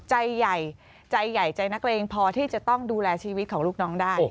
ใจใหญ่ใจใหญ่ใจนักเลงพอที่จะต้องดูแลชีวิตของลูกน้องได้